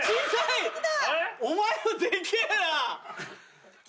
お前のでけえな！